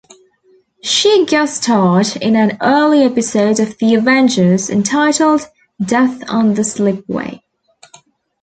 She guest-starred in an early episode of "The Avengers" entitled "Death on The Slipway".